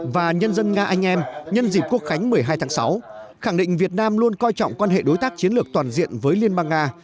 và nhân dân nga anh em nhân dịp quốc khánh một mươi hai tháng sáu khẳng định việt nam luôn coi trọng quan hệ đối tác chiến lược toàn diện với liên bang nga